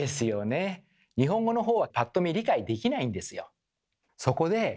日本語のほうはパッと見理解できないんですよ。